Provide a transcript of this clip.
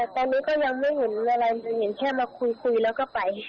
ตอนนี้ก็ยังไม่เห็นอะไรเลยเห็นแค่มาคุยแล้วก็ไป